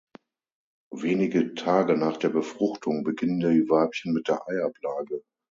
Wenige Tage nach der Befruchtung beginnen die Weibchen mit der Eiablage.